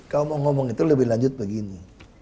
kalau mau ngomong itu lebih lanjut begini